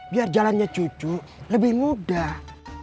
biar jalannya cucu lebih mudah